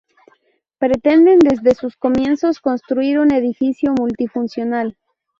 Pretenden desde sus comienzos construir un edificio multifuncional.